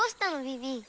ビビ。